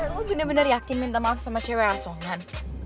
lo bener bener yakin minta maaf sama cewek asongan